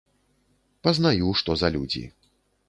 Пазнаю, што за людзі.